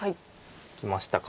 きましたか。